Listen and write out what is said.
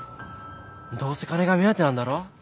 どうせ金が目当てなんだろ。